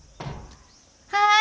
はい。